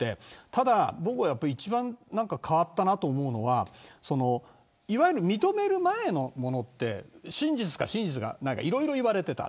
ただ、僕が一番変わったなと思うのはいわゆる認める前のものって真実か真実じゃないかいろいろ言われていた。